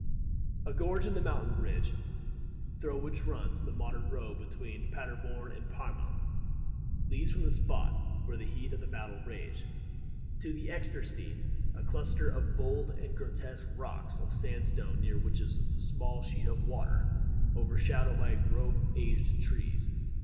A gorge in the mountain ridge, through which runs the modern road between Paderborn and Pyrmont, leads from the spot where the heat of the battle raged, to the Extersteine, a cluster of bold and grotesque rocks of sandstone; near which is a small sheet of water, overshadowed by a grove of aged trees.